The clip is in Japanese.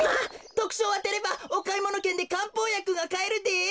とくしょうをあてればおかいものけんでかんぽうやくがかえるです。